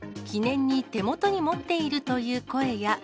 記念に手元に持っているという声や。